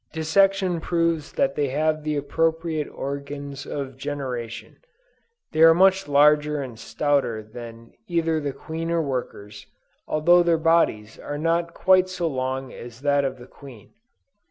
Dissection proves that they have the appropriate organs of generation. They are much larger and stouter than either the queen or workers; although their bodies are not quite so long as that of the queen.